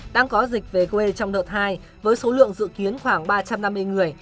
đang có dịch về quê trong đợt hai với số lượng dự kiến khoảng ba trăm năm mươi người